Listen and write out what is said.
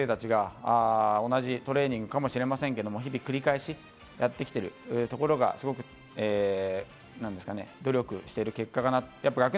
やはり一年一年、学生たちが同じトレーニングかもしれませんが、日々、繰り返しやってきているところが努力してる結果かな。